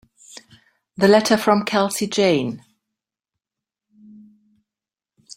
The letter from Kelsey Jane.